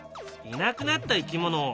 いなくなった生き物